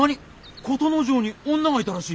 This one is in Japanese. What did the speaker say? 琴之丞に女がいたらしい？